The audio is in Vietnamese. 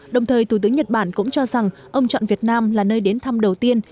đồng thời thủ tướng nhật bản cũng cho rằng ông chọn việt nam là nơi đến thăm đầu tiên